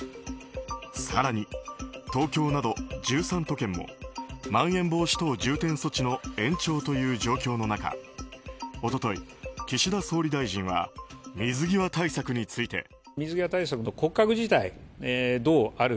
更に、東京など１３都県もまん延防止等重点措置の延長という状況の中一昨日、岸田総理大臣は水際対策について。